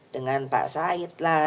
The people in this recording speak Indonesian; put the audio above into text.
dengan pak said lah